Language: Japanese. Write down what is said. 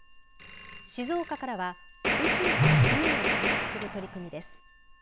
静岡からは宇宙から地面を監視する取り組みです。